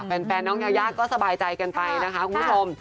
ค่ะแปลกน้องยากก็สบายใจกันไปคุณผู้ชม